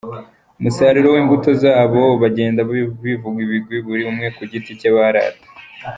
umusaruro w'imbuto zabo, bagenda bivuga ibigwi buri umwe ku giti cye barata.